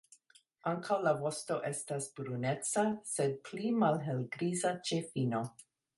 Ankaŭ la vosto estas bruneca, sed pli malhelgriza ĉe fino.